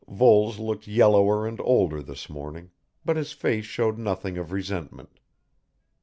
Voles looked yellower and older this morning, but his face showed nothing of resentment.